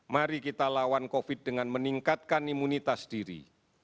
mari kita lawan covid dengan meningkatkan imunitas diri